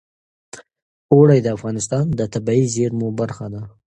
اوړي د افغانستان د طبیعي زیرمو برخه ده.